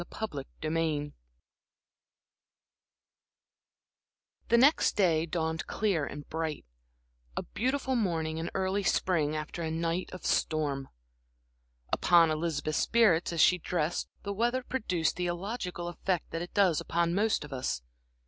Chapter XXIV The next day dawned clear and bright; a beautiful morning in early spring after a night of storm. Upon Elizabeth's spirits as she dressed the weather produced the illogical effect that it does upon most of us.